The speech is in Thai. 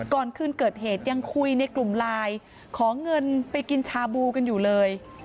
ก่อนคืนเกิดเหตุยังคุยในกลุ่มไลน์ขอเงินไปกินชาบูกันอยู่เลย